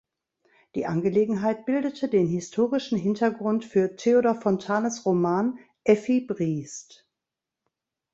Die Angelegenheit bildete den historischen Hintergrund für Theodor Fontanes Roman "Effi Briest".